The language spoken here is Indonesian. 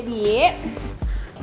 terima kasih udah nonton